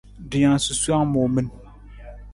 Rijang susowang muu min.